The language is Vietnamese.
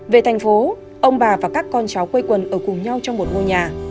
về thành phố ông bà và các con cháu quây quần ở cùng nhau trong một ngôi nhà